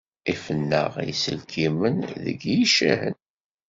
Ifen-aɣ yiselkimen deg yicahen.